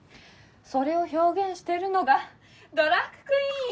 それを表現してるのがドラァグクイーン！